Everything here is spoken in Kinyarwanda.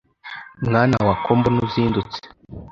Mwana wa ko mbona uzindutse